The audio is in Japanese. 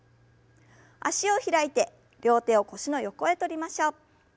脚を開いて両手を腰の横へとりましょう。